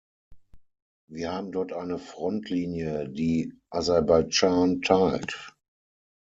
Wir haben dort eine Frontlinie, die Aserbaidschan teilt.